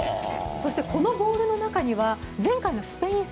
そしてこのボールの中には前回のスペイン戦